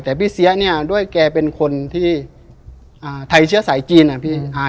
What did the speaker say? แต่พี่เสียเนี่ยด้วยแกเป็นคนที่ไทยเชื้อสายจีนอ่ะพี่